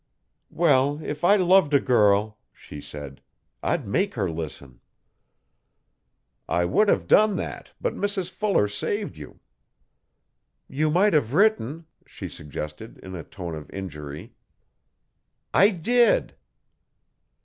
'Well if I loved a girl,' she said, 'I'd make her listen.' 'I would have done that but Mrs Fuller saved you.' 'You might have written,' she suggested in a tone of injury. 'I did.'